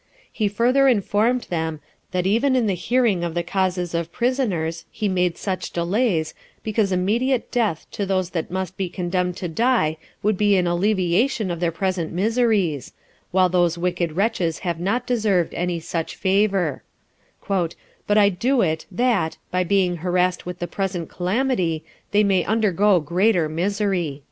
He further informed them, that even in the hearing of the causes of prisoners, he made such delays, because immediate death to those that must be condemned to die would be an alleviation of their present miseries, while those wicked wretches have not deserved any such favor; "but I do it, that, by being harassed with the present calamity, they may undergo greater misery."